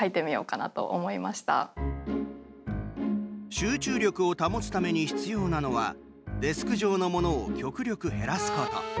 集中力を保つために必要なのはデスク上のものを極力減らすこと。